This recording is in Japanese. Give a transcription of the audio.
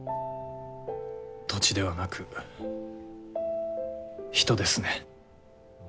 土地ではなく人ですね。